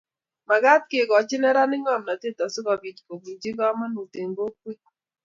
Magat kegoch neranik ngomnatetab asikobunchit komonut eng kokwet